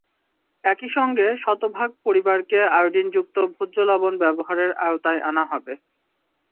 একই সঙ্গে শতভাগ পরিবারকে আয়োডিনযুক্ত ভোজ্য লবণ ব্যবহারের আওতায় আনা হবে।